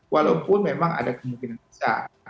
walaupun memang ada kemungkinan besar